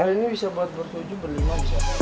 ini bisa buat ber tujuh ber lima bisa